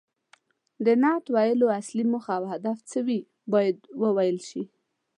د نعت ویلو اصلي موخه او هدف څه وي باید وویل شي.